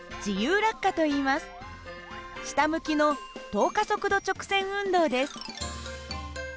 下向きの等加速度直線運動です。